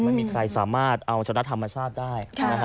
ไม่มีใครสามารถเอาชนะธรรมชาติได้